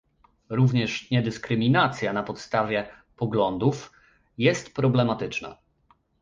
Również niedyskryminacja na podstawie "poglądów" jest problematyczna